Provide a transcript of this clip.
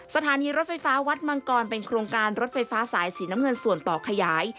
สถานีรถไฟฟ้าวัดมังกรเป็นโครงการรถไฟฟ้าสายสีน้ำเงินส่วนต่อขยาย